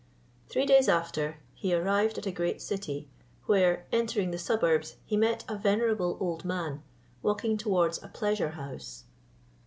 Three days after he arrived at a great city, where, entering the suburbs, he met a venerable old man, walking towards a pleasure house.